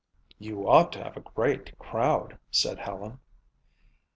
"You ought to have a great crowd," said Helen.